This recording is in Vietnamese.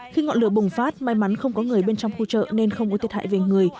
khi ngọn lửa bùng phát may mắn không có người bên trong khu chợ nên không có tiết hại về người